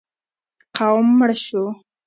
قوم مړ شو.